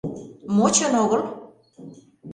— Мо чын огыл?